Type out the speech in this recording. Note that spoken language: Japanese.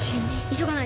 急がないと！